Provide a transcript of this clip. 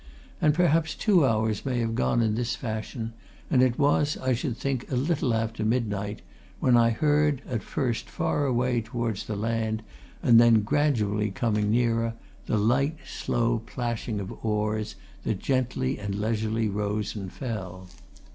And perhaps two hours may have gone in this fashion, and it was, I should think, a little after midnight, when I heard, at first far away towards the land, then gradually coming nearer, the light, slow plashing of oars that gently and leisurely rose and fell.